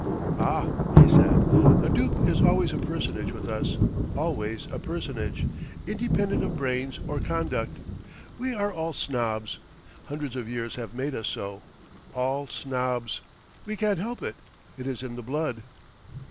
"Ah!" he said, "a duke is always a personage with us, always a personage, independent of brains or conduct. We are all snobs. Hundreds of years have made us so, all snobs. We can't help it. It is in the blood."